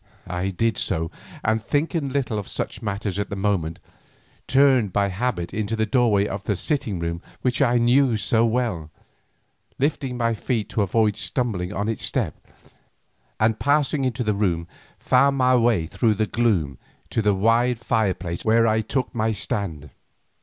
I did so, and thinking little of such matters at the moment, turned by habit into the doorway of the sitting room which I knew so well, lifting my feet to avoid stumbling on its step, and passing into the room found my way through the gloom to the wide fireplace where I took my stand.